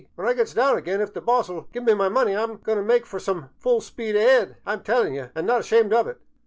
When I gets down again, if the boss '11 give me my money, I 'm goin' t' make fer 'ome full speed a'ead, I 'm tellin' ye an' not ashymed of it.